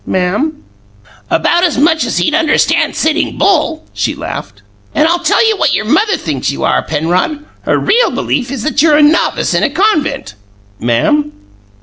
"Ma'am?" "About as much as he'd understand Sitting Bull!" she laughed. "And I'll tell you what your mother thinks you are, Penrod. Her real belief is that you're a novice in a convent." "Ma'am?"